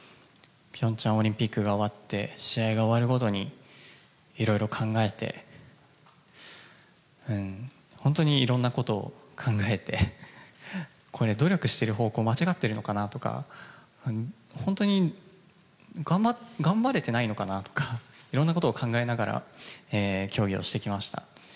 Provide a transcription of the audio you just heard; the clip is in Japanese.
ピョンチャンオリンピックが終わって、試合が終わるごとにいろいろ考えて、本当にいろんなことを考えて、これ、努力してる方向間違ってるのかなとか、本当に頑張れてないのかなとか、いろんなことを考えながら競技をしてきました。